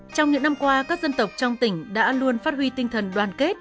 trong những năm qua các dân tộc trong tỉnh đã luôn phát huy tinh thần đoàn kết